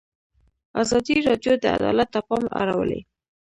ازادي راډیو د عدالت ته پام اړولی.